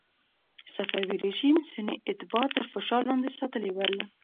صفوي رژیم سني اتباع تر فشار لاندې ساتلي ول.